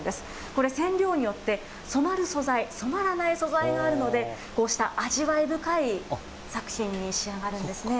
これ、染料によって、染まる素材、染まらない素材があるので、こうした味わい深い作品に仕上がるんですね。